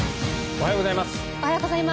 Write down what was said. おはようございます。